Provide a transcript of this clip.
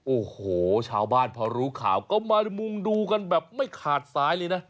โอ้โหชาวบ้านพอรู้ข่าวก็มามุงดูกันแบบไม่ขาดซ้ายเลยนะ